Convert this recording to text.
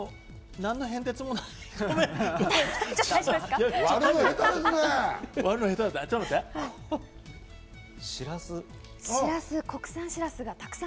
何の変哲もない、ごめん。